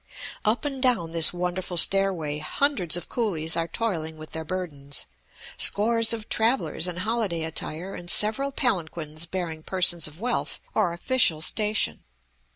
Up and down this wonderful stairway hundreds of coolies are toiling with their burdens, scores of travellers in holiday attire and several palanquins bearing persons of wealth or official station.